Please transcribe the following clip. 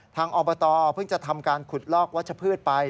อบตเพิ่งจะทำการขุดลอกวัชพืชไป